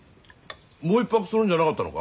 もう一泊するんじゃなかったのか。